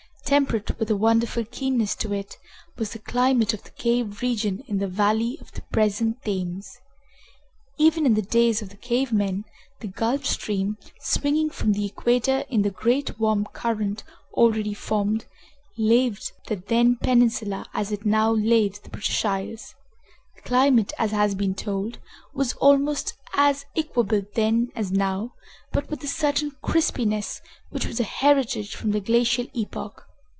Temperate, with a wonderful keenness to it, was the climate of the cave region in the valley of the present Thames. Even in the days of the cave men, the Gulf Stream, swinging from the equator in the great warm current already formed, laved the then peninsula as it now laves the British Isles. The climate, as has been told, was almost as equable then as now, but with a certain crispness which was a heritage from the glacial epoch.